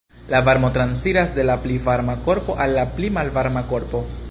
La varmo transiras de la pli varma korpo al la pli malvarma korpo.